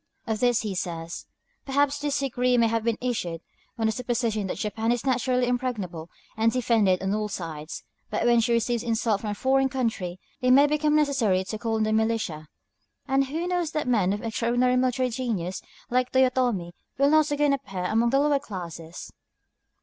Of this he says: "Perhaps this decree may have been issued on the supposition that Japan is naturally impregnable and defended on all sides. But when she receives insult from a foreign country, it may become necessary to call on the militia. And who knows that men of extraordinary military genius, like Toyotomi, will not again appear among the lower classes?"